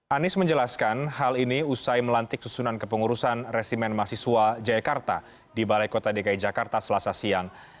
anies menjelaskan hal ini usai melantik susunan kepengurusan resimen mahasiswa jayakarta di balai kota dki jakarta selasa siang